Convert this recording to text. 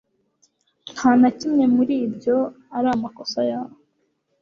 Nta na kimwe muri ibyo ari amakosa yawe